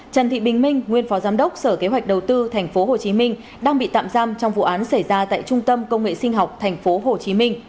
trần thị bình minh nguyên phó giám đốc sở kế hoạch đầu tư tp hcm đang bị tạm giam trong vụ án xảy ra tại trung tâm công nghệ sinh học tp hcm